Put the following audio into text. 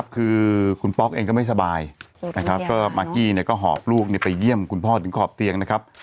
คือคุณป๊อกเองก็ไม่สบายมากกี้ก็หอบลูกไปเยี่ยมคุณพ่อถึงขอบเตียง